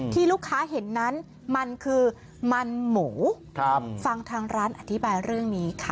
ที่ลูกค้าเห็นนั้นมันคือมันหมูฟังทางร้านอธิบายเรื่องนี้ค่ะ